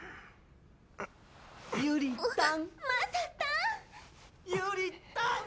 まゆりたん！